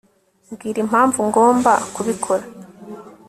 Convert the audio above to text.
mbwira impamvu ngomba kubikora